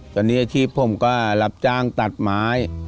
ตอนนี้อัพยี่ปร์ผมก็รับจ้างตัดไม้